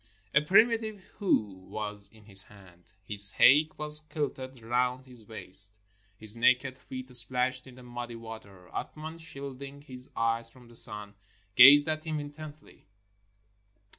A primitive hoe was in his hand; his haik was kilted round his waist; his naked feet splashed in the muddy water. Athman, shielding his eyes from the sun, gazed at him intently.